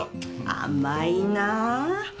甘いなぁ。